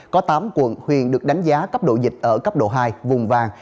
có tám quận huyện được đánh giá cấp độ dịch ở cấp độ hai vùng vàng